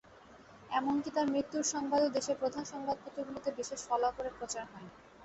এমনকি তাঁর মৃত্যুর সংবাদও দেশের প্রধান সংবাদপত্রগুলোতে বিশেষ ফলাও করে প্রচার হয়নি।